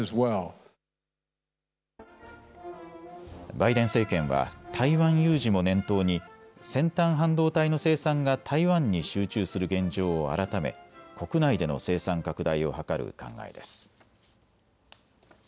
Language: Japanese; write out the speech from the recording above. バイデン政権は台湾有事も念頭に先端半導体の生産が台湾に集中する現状を改め国内での生産拡大を図る考えです。